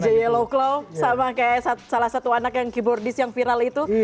dj yellow claw sama kayak salah satu anak yang keyboardist yang viral itu